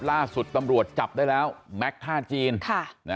ล่าสุดตำรวจจับได้แล้วแม็กซ์ท่าจีน